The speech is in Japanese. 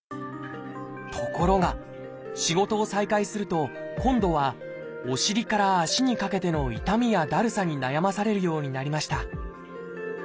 ところが仕事を再開すると今度はお尻から脚にかけての痛みやだるさに悩まされるようになりました